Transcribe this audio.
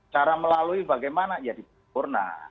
cara melalui bagaimana ya di pampurna